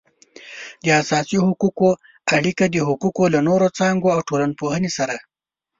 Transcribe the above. د اساسي حقوقو اړیکه د حقوقو له نورو څانګو او ټولنپوهنې سره